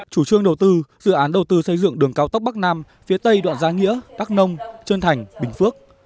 chủ trương đầu tư dự án đầu tư xây dựng đường cao tốc bắc nam phía tây đoạn gia nghĩa đắc nông trơn thành bình phước